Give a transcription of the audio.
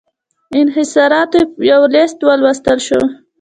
انحصاراتو یو لېست ولوستل شو.